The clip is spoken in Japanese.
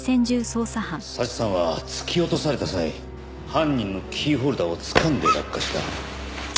早智さんは突き落とされた際犯人のキーホルダーをつかんで落下した。